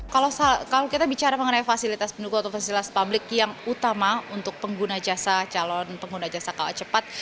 kalau kita bicara mengenai fasilitas pendukung atau fasilitas publik yang utama untuk pengguna jasa calon pengguna jasa kawa cepat